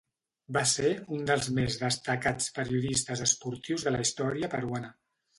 Va ser un dels més destacats periodistes esportius de la història peruana.